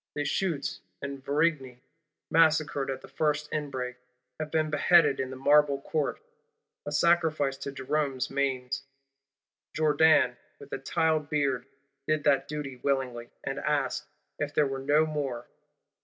Deshuttes and Varigny, massacred at the first inbreak, have been beheaded in the Marble Court: a sacrifice to Jerôme's manes: Jourdan with the tile beard did that duty willingly; and asked, If there were no more?